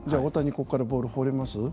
ここからボール放れます？